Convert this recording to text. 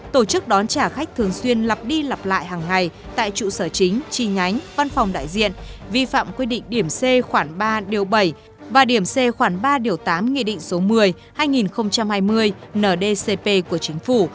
tổ chức đón trả khách thường xuyên lặp đi lặp lại hàng ngày tại trụ sở chính chi nhánh văn phòng đại diện vi phạm quy định điểm c khoảng ba điều bảy và điểm c khoảng ba điều tám nghị định số một mươi hai nghìn hai mươi ndcp của chính phủ